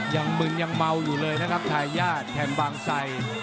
ยังมึงยังเมาอยู่เลยนะครับชายญาติแถมบางไทย